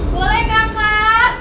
boleh kak pak